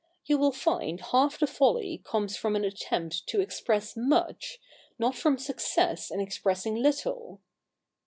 You will find half the folly comes from an attempt to express much, not from success in expressing little.'